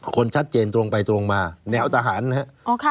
คนชัดเจนตรงไปตรงมาแนวทหารนะครับ